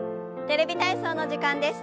「テレビ体操」の時間です。